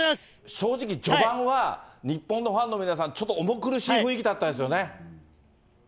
正直、序盤は日本のファンの皆さん、ちょっと重苦しい雰囲気だったですよね。